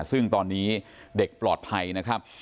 ซึ่งตอนนี้เด็กปลอดภัยนะครับ